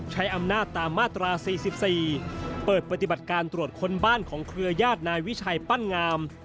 ใช้อำนาจตามมาตรา๔๔เปิดปฏิบัติการตรวจค้นบ้านของเครือญาตินายวิชัยปั้นงาม